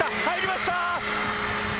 入りました！